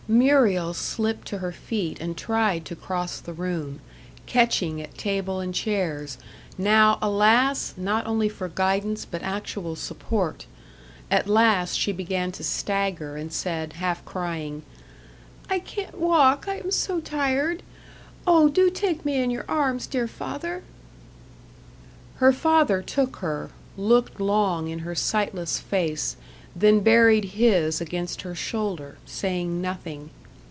Muriel slipped to her feet and tried to cross the room, catching at table and chairs now, alas! not only for guidance but actual support. At last she began to stagger, and said, half crying: "I can't walk, I am so tired. Oh, do take me in your arms, dear father." Her father took her, looked long in her sightless face, then buried his against her shoulder, saying nothing.